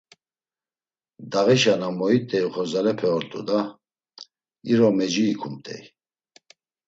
Dağişa na moit̆ey oxorzalepe ort̆u da; iro meci iǩumt̆ey?